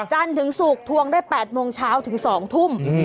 จันทร์ถึงศุกร์ทวงได้๘โมงเช้าถึง๒ทุ่ม